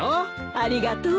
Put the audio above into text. ありがとう。